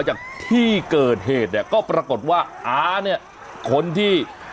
จากที่เกิดเหตุเนี่ยก็ปรากฏว่าอาเนี่ยคนที่